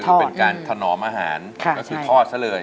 ก็เป็นการถนอมอาหารก็คือทอดซะเลย